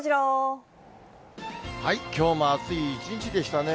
きょうも暑い一日でしたね。